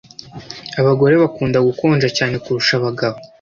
abagore bakunda gukonja cyane kurusha abagabo